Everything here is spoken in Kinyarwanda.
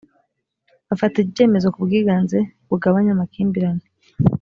bafata ibyemezo ku bwiganze bugabanya amakimbirane